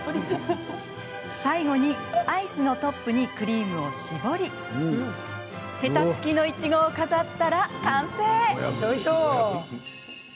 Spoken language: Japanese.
最後にアイスのトップにクリームを絞りヘタつきのいちごを飾ったら完成。